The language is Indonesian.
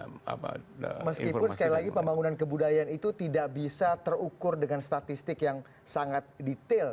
meskipun sekali lagi pembangunan kebudayaan itu tidak bisa terukur dengan statistik yang sangat detail